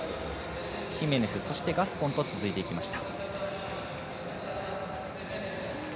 ヒメネス、ガスコンと続いていきました。